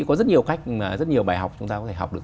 có rất nhiều cách rất nhiều bài học chúng ta có thể học được